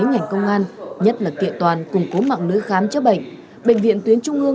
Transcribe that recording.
ngành công an nhất là kiện toàn củng cố mạng lưới khám chữa bệnh bệnh viện tuyến trung ương